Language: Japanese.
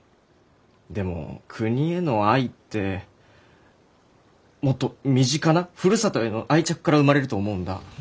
でも国への愛ってもっと身近なふるさとへの愛着から生まれると思うんだ。